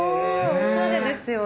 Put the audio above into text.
おしゃれですよね。